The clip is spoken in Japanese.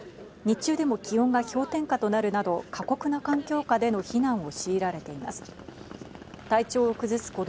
日中でも気温が氷点下となるなど、過酷な環境下での避難を強いられています。